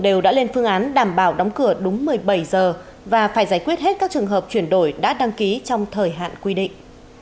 đều đã lên phương án đảm bảo đóng cửa đúng một mươi bảy giờ và phải giải quyết hết các trường hợp chuyển đổi đã đăng ký trong thời hạn quy định